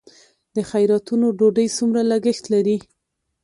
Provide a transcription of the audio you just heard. د خیراتونو ډوډۍ څومره لګښت لري؟